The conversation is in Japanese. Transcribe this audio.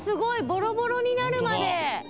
ボロボロになるまで。